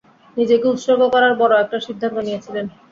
নিজেকে উৎসর্গ করার বড় একটা সিদ্ধান্ত নিয়েছিলে।